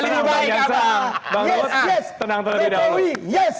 bang ruhuti tenang terlebih dahulu